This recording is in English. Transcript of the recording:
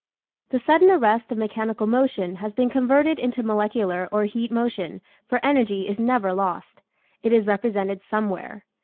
The sudden arrest of mechanical motion has been converted into molecular or heat motion, for energy is never lost; it is represented somewhere.